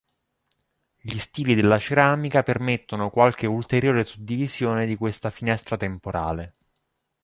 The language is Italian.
Gli stili della ceramica permettono qualche ulteriore suddivisione di questa finestra temporale.